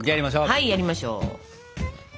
はいやりましょう！